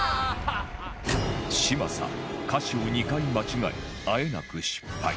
嶋佐歌詞を２回間違えあえなく失敗